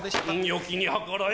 よきにはからえ。